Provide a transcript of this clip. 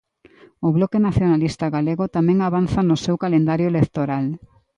O Bloque Nacionalista Galego tamén avanza no seu calendario electoral.